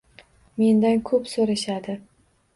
Mendan koʻp soʻrashadi.